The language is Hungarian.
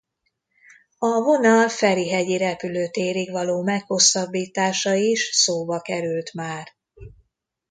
A vonal Ferihegyi repülőtérig való meghosszabbítása is szóba került már.